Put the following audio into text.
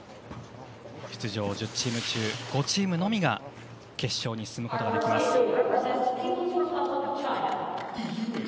出場１０チーム中５チームのみが決勝に進むことができます。